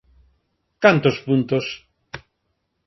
¿Cantos puntos?